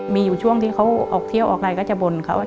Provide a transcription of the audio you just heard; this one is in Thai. มีอยู่ช่วงที่เขาออกเที่ยวออกอะไรก็จะบ่นเขา